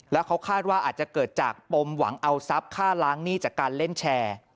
แล้วเขาคาดว่าอาจจะเกิดจากปมหวังเอาทรัพย์ค่าล้างหนี้จากการเล่นแชร์